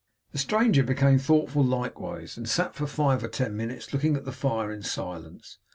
The stranger became thoughtful likewise, and sat for five or ten minutes looking at the fire in silence.